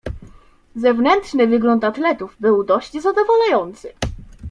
"Zewnętrzny wygląd atletów był dość zadowalający."